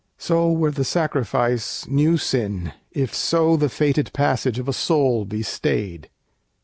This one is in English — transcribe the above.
So were the sacrifice new sin, if so The fated passage of a soul be stayed.